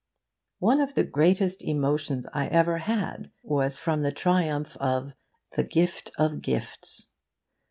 One of the greatest emotions I ever had was from the triumph of THE GIFT OF GIFTS.